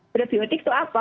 prebiotik itu apa